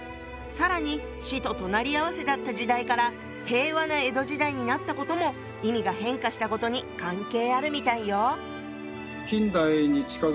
更に死と隣り合わせだった時代から平和な江戸時代になったことも意味が変化したことに関係あるみたいよ。